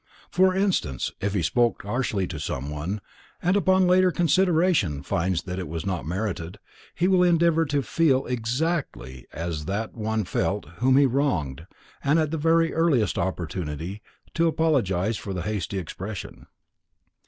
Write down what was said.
For instance, if he spoke harshly to someone, and upon later consideration finds it was not merited, he will endeavor to feel exactly as that one felt whom he wronged and at the very earliest opportunity to apologize for the hasty expression.